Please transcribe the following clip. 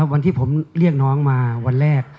วันที่ผมเรียกน้องมาวันแรก